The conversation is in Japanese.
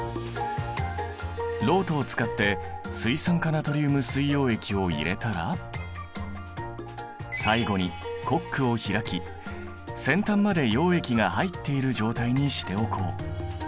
ろうとを使って水酸化ナトリウム水溶液を入れたら最後にコックを開き先端まで溶液が入っている状態にしておこう。